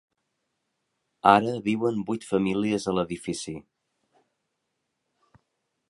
Ara viuen vuit famílies a l'edifici.